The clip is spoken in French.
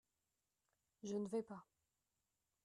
Je ne vais pas.